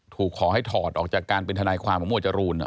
ขอให้ถอดออกจากการเป็นทนายความของหวดจรูน